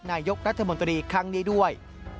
นายกรัฐมนตรีครั้งนี้ด้วย